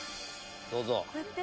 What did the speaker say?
どうぞ。